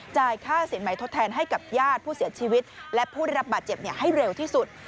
ค่าสินใหม่ทดแทนให้กับญาติผู้เสียชีวิตและผู้ได้รับบาดเจ็บให้เร็วที่สุด